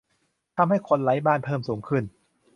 ทำให้ "คนไร้บ้าน" เพิ่มสูงขึ้น